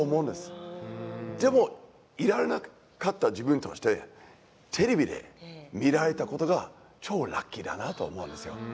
でもいられなかった自分としてテレビで見られたことが超ラッキーだなと思うんですよ。